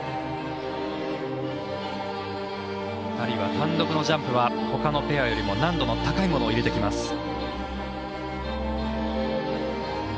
２人は単独のジャンプはほかのペアよりも難度の高いものを入れてきます。